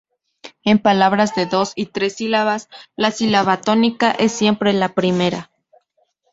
En palabras de dos y tres sílabas, la sílaba tónica es siempre la primera.